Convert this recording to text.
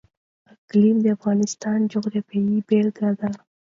اقلیم د افغانستان د جغرافیې بېلګه ده.